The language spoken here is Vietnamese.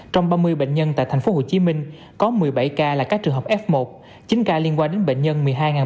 trong ba mươi bệnh nhân tại tp hcm có một mươi bảy ca là các trường hợp f một chín ca liên quan đến bệnh nhân một mươi hai ba trăm bốn mươi năm